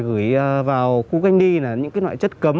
gửi vào khu canh đi là những loại chất cấm